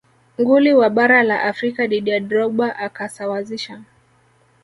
nguli wa bara la afrika didier drogba akasawazisha